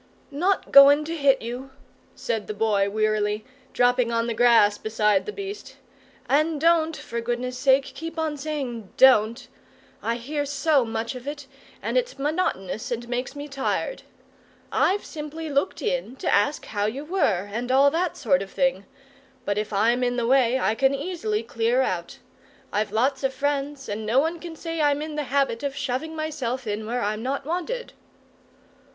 "Not goin' to hit you," said the Boy wearily, dropping on the grass beside the beast: "and don't, for goodness' sake, keep on saying `Don't;' I hear so much of it, and it's monotonous, and makes me tired. I've simply looked in to ask you how you were and all that sort of thing; but if I'm in the way I can easily clear out. I've lots of friends, and no one can say I'm in the habit of shoving myself in where I'm not wanted!"